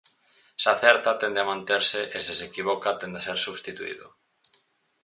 Se acerta tende a manterse e se se equivoca tende a ser substituído.